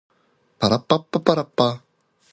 You keep sticking your head out and looking around.